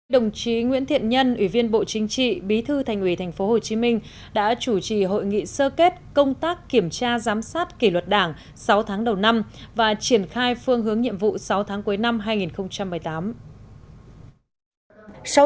đồng chí nguyễn thiện nhân ủy viên bộ chính trị bí thư thành ủy tp hcm đã chủ trì hội nghị sơ kết công tác kiểm tra giám sát kỷ luật đảng sáu tháng đầu năm và triển khai phương hướng nhiệm vụ sáu tháng cuối năm hai nghìn một mươi tám